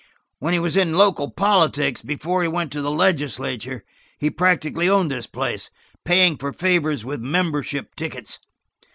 When he was in local politics, before he went to the legislature, he practically owned this place, paying for favors with membership tickets.